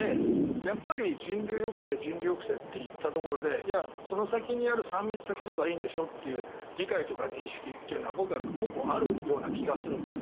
やっぱり人流抑制、人流抑制と言ったところでいや、その先にある３密を避ければいいんでしょっていう理解とか認識は僕はあるような気がするんですよね。